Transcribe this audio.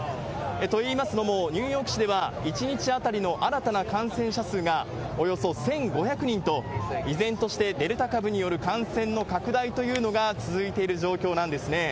といいますのも、ニューヨーク市では１日当たりの新たな感染者数がおよそ１５００人と、依然としてデルタ株による感染の拡大というのが続いている状況なんですね。